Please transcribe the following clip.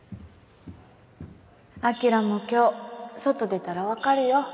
晶も今日外出たら分かるよ